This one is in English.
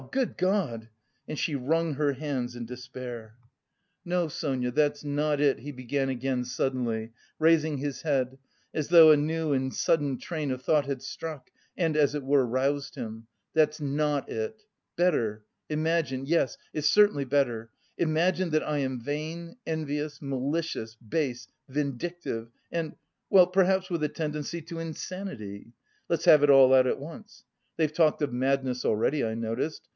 Good God!" And she wrung her hands in despair. "No, Sonia, that's not it," he began again suddenly, raising his head, as though a new and sudden train of thought had struck and as it were roused him "that's not it! Better... imagine yes, it's certainly better imagine that I am vain, envious, malicious, base, vindictive and... well, perhaps with a tendency to insanity. (Let's have it all out at once! They've talked of madness already, I noticed.)